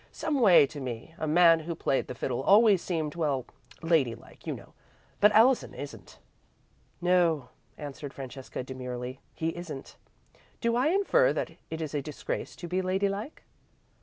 Someway, to me, a man who played the fiddle always seemed, well lady like, you know. But Allison isn't." "No," answered Francesca, demurely, "he isn't. Do I infer that it is a disgrace to be ladylike?"